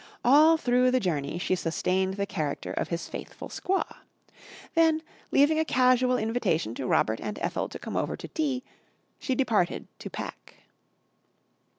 All through the journey she sustained the character of his faithful squaw. Then, leaving a casual invitation to Robert and Ethel to come over to tea, she departed to pack.